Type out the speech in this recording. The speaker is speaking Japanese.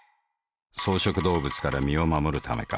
草食動物から身を護るためか。